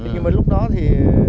nhưng mà lúc đó thì